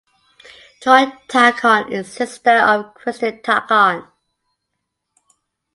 Joy Tacon is sister of Christine Tacon